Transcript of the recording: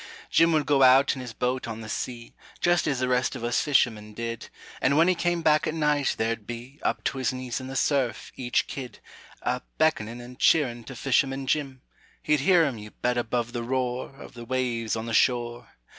Jim would go out in his boat on the sea, Just as the rest of us fishermen did, An' when he come back at night thar'd be, Up to his knees in the surf, each kid, A beck'nin' and cheer in' to fisherman Jim; He'd hear 'em, you bet, above the roar Of the waves on the shore.